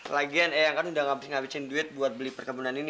lagian eh kan udah ngabisin duit buat beli perkebunan ini